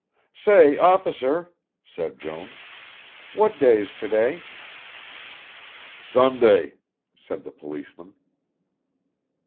"Say, officer," said Jones, "what day's to day?" "Sunday," said the policeman.